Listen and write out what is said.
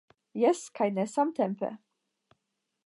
Jes kaj ne samtempe.